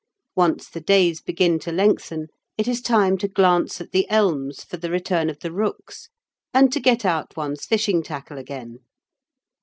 Once the days begin to lengthen, it is time to glance at the elms for the return of the rooks and to get out one's fishing tackle again.